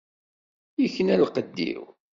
Ikna lqedd-iw.